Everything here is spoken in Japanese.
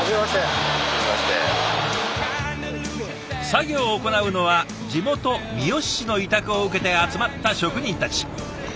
作業を行うのは地元三好市の委託を受けて集まった職人たち。